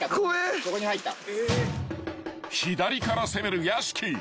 ［左から攻める屋敷］